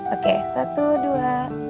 oke satu dua